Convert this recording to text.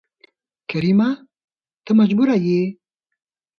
کريمه ته مجبوره يې